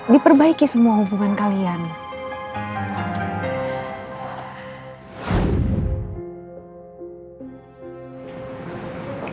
diperbaiki semua hubungan kalian